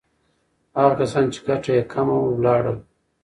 هغه کسان چې ګټه یې کمه وه، لاړل.